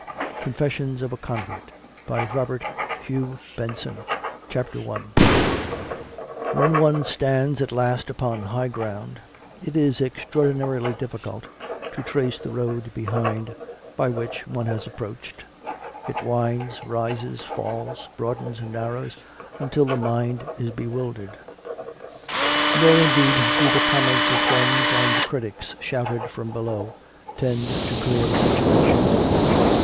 CONFESSIONS OF A CONVERT WHEN one stands at last upon high ground, it is extraordinarily difficult to trace the road behind by which one has approached: it winds, rises, falls, broadens, and narrows, until the mind is bewildered. Nor indeed do the comments of friends and critics shouted from below tend to clear the situation.